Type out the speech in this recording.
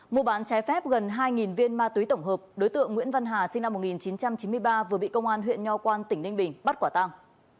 mua bán trái phép gần hai viên ma túy tổng hợp đối tượng nguyễn văn hà sinh năm một nghìn chín trăm chín mươi ba vừa bị công an huyện nho quan tỉnh ninh bình bắt quả tăng